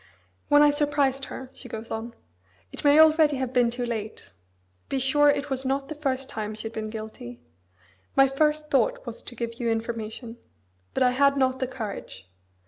"When I surprised her," she goes on: "It may already have been too late be sure it was not the first time she had been guilty my first thought was to give you information. But I had not the courage.